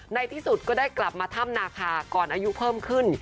ในที่สุดก็ได้กลับมาถ้ำนาคาก่อนอายุเพิ่มขึ้น